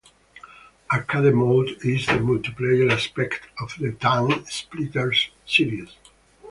Arcade mode is the multiplayer aspect of the TimeSplitters series.